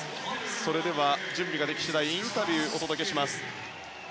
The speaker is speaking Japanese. それでは、準備ができ次第インタビューをお届けします。